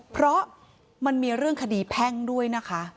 เพราะมันมีเรื่องคดีแพ่งด้วยนะคะ